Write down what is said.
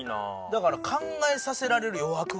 だから考えさせられる余白が。